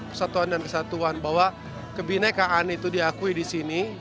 persatuan dan kesatuan bahwa kebinekaan itu diakui di sini